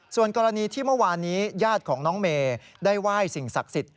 ส่วนกรณีที่เมื่อวานนี้ญาติของน้องเมย์ได้ไหว้สิ่งศักดิ์สิทธิ